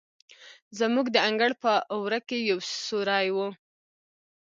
زموږ د انګړ په وره کې یو سورى و.